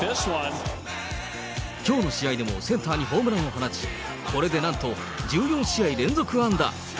きょうの試合でもセンターにホームランを放ち、これでなんと、１４試合連続安打。